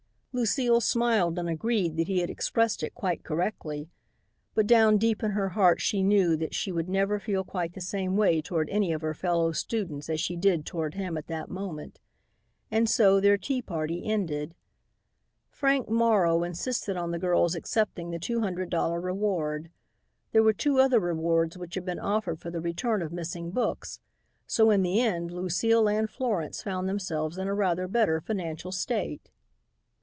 Lucile smiled and agreed that he had expressed it quite correctly, but down deep in her heart she knew that she would never feel quite the same toward any of her other fellow students as she did toward him at that moment. And so their tea party ended. Frank Morrow insisted on the girls' accepting the two hundred dollar reward. There were two other rewards which had been offered for the return of missing books, so in the end Lucile and Florence found themselves in a rather better financial state.